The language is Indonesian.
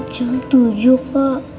jam tujuh kak